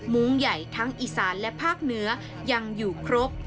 มุ้งใหญ่ทั้งอีสานและภาคเหนือยังอยู่ครบ